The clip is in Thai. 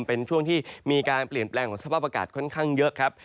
เป็นช่วงที่มีการเปลี่ยนแปลงของสภาพอากาศค่อนข้างเยอะครับ